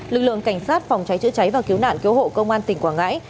lực lượng cảnh sát phòng cháy chữa cháy và cứu nạn cứu hộ công an tỉnh quảng ngãi